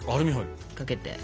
かけて。